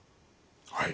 はい。